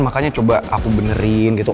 makanya coba aku benerin gitu